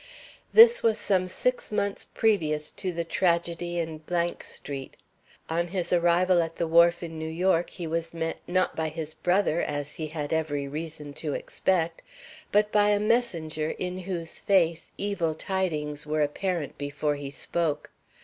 This was some six months previous to the tragedy in Street. On his arrival at the wharf in New York he was met, not by his brother, as he had every reason to expect, but by a messenger in whose face evil tidings were apparent before he spoke.